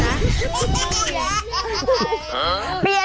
วันนี้มันยาว